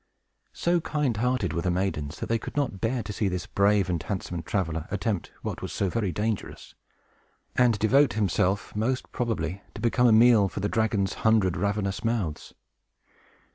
So kind hearted were the maidens, that they could not bear to see this brave and handsome traveler attempt what was so very dangerous, and devote himself, most probably, to become a meal for the dragon's hundred ravenous mouths.